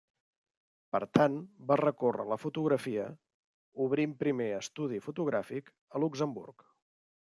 Per tant, va recórrer a la fotografia, obrint primer estudi fotogràfic a Luxemburg.